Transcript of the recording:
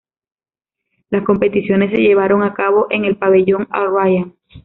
Las competiciones se llevaron a cabo en el Pabellón al-Rayyan.